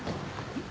えっ？